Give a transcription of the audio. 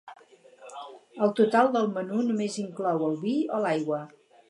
El total del menú només inclou el vi o l'aigua.